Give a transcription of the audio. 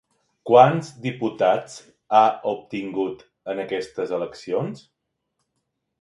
Quants diputats ha obtingut en aquestes eleccions?